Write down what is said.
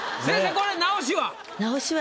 これ直しは？